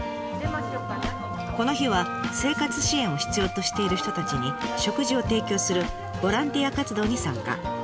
この日は生活支援を必要としている人たちに食事を提供するボランティア活動に参加。